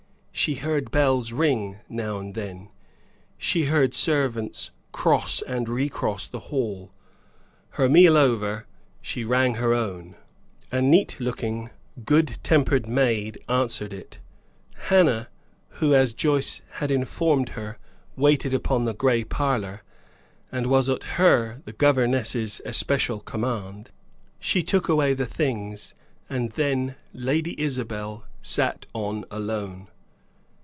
She heard bells ring now and then; she heard servants cross and recross the hall. Her meal over, she rang her own. A neat looking, good tempered maid answered it, Hannah, who, as Joyce had informed her, waited upon the gray parlor, and was at her, the governess's, especial command. She took away the things, and then Lady Isabel sat on alone.